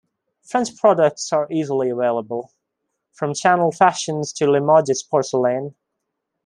French products are easily available, from Chanel fashions to Limoges porcelain.